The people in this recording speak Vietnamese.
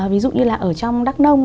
ví dụ như là ở trong đắk nông